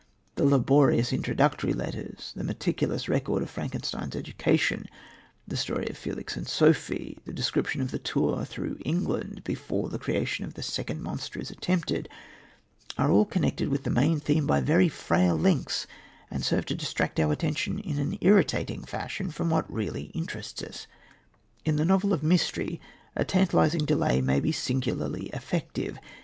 The laborious introductory letters, the meticulous record of Frankenstein's education, the story of Felix and Sofie, the description of the tour through England before the creation of the second monster is attempted, are all connected with the main theme by very frail links and serve to distract our attention in an irritating fashion from what really interests us. In the novel of mystery a tantalising delay may be singularly effective.